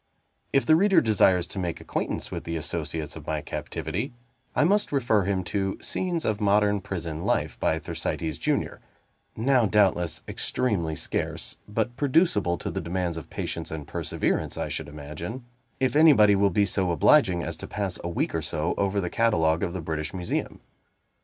If the reader desires to make acquaintance with the associates of my captivity, I must refer him to "Scenes of Modern Prison Life," by Thersites Junior, now doubtless extremely scarce, but producible to the demands of patience and perseverance, I should imagine, if anybody will be so obliging as to pass a week or so over the catalogue of the British Museum.